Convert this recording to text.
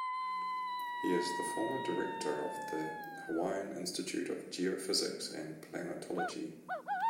He is the former Director of the Hawaii Institute of Geophysics and Planetology.